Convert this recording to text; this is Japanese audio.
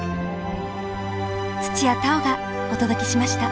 土屋太鳳がお届けしました。